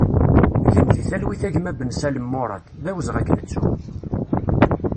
Gen di talwit a gma Bensalem Murad, d awezɣi ad k-nettu!